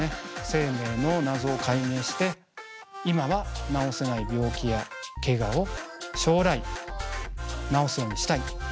生命の謎を解明して今は治せない病気やけがを将来治すようにしたい。